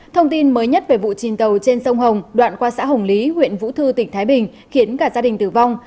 thông tin mới nhất về vụ chìm tàu trên sông hồng đoạn qua xã hồng lý huyện vũ thư tỉnh thái bình khiến cả gia đình tử vong